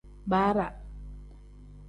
Baaraa.